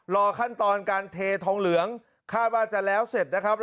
รอขั้นตอนการเททองเหลืองคาดว่าจะแล้วเสร็จนะครับ